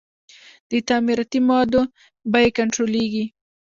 د تعمیراتي موادو بیې کنټرولیږي؟